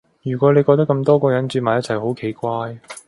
如果你覺得咁多個人住埋一齊好奇怪